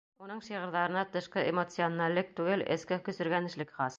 Уның шиғырҙарына тышҡы эмоционаллек түгел, эске көсөргәнешлек хас.